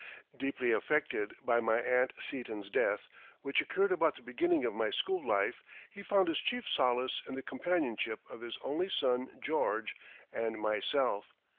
Deeply affected by my Aunt Seaton's death, which occurred about the beginning of my school life, he found his chief solace in the companionship of his only son, George, and myself.